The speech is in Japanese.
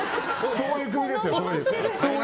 そういう組ですよ。